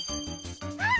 あっ！